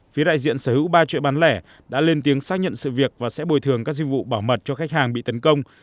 phía đại diện sở hữu ba chuỗi bán lẻ đã lên tiếng xác nhận sự việc và sẽ bồi thường các dư vụ bảo mật cho khách hàng bị tấn công